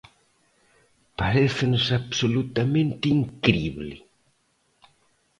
Parécenos absolutamente incrible.